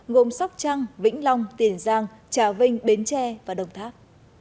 gồm sóc trăng vĩnh long tiền giang trà vinh bến tre và đồng tháp